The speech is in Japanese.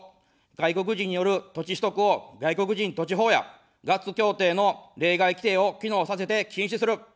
外国人による土地取得を外国人土地法やガッツ協定の例外規定を機能させて禁止する。